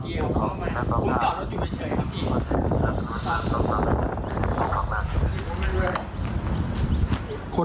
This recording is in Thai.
เมฆมะข้าง